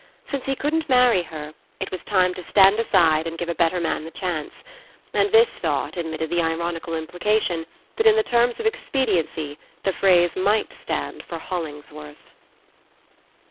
Since he couldn't marry her, it was time to stand aside and give a better man the chance and his thought admitted the ironical implication that in the terms of expediency the phrase might stand for Hollingsworth.